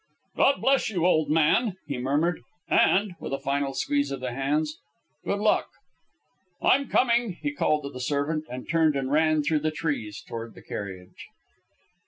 "God bless you, old man," he murmured; "and" with a final squeeze of the hands "good luck!" "I'm coming," he called to the servant, and turned and ran through the trees toward the carriage.